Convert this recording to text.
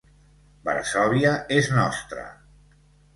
Varsòvia és nostra!